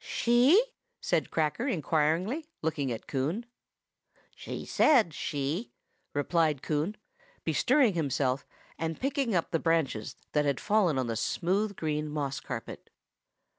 "She?" said Cracker inquiringly, looking at Coon. "She said 'she'!" replied Coon, bestirring himself, and picking up the dead branches that had fallen on the smooth green moss carpet.